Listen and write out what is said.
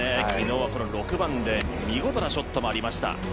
昨日は６番で見事なショットもありました。